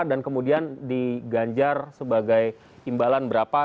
kemudian diganjar sebagai imbalan berapa